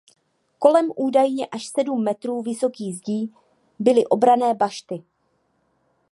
Kolem údajně až sedm metrů vysokých zdí byly obranné bašty.